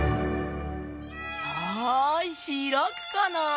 さあひらくかなぁ？